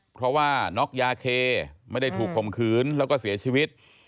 เพราะว่าน็อกยาเคไม่ได้ถูกคมขืนแล้วก็เสียชีวิต